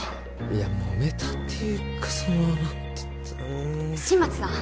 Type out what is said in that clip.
いやもめたっていうかその新町さん